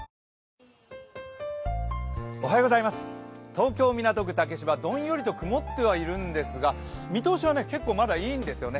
東京・港区竹芝、どんよりと曇ってはいるんですが、見通しはまだ結構いいんですよね。